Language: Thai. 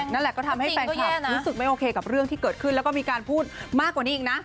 นั่นแหละก็ทำให้แฟนคลับรู้สึกไม่โอเคกับเรื่องที่เกิดขึ้นแล้วก็มีการพูดมากกว่านี้อีกนะ